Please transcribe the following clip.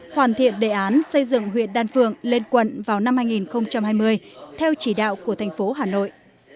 hoàn thiện đề án xây dựng huyện đan phượng lên quận vào năm hai nghìn hai mươi theo chỉ đạo của thành phố hà nội